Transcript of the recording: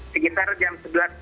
sekitar jam sebelas tiga puluh